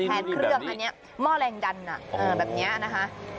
แทนเครื่องอันนี้หม้อแรงดันแบบนี้นะคะ